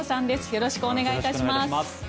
よろしくお願いします。